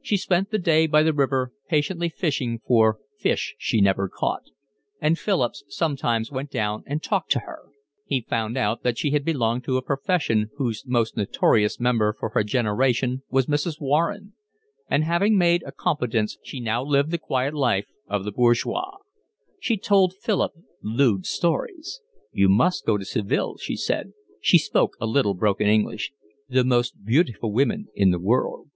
She spent the day by the river patiently fishing for fish she never caught, and Philip sometimes went down and talked to her. He found out that she had belonged to a profession whose most notorious member for our generation was Mrs. Warren, and having made a competence she now lived the quiet life of the bourgeoise. She told Philip lewd stories. "You must go to Seville," she said—she spoke a little broken English. "The most beautiful women in the world."